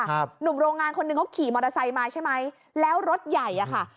หนุ่มโรงงานคนหนึ่งเขาขี่มอเตอร์ไซค์มาใช่ไหมแล้วรถใหญ่อ่ะค่ะ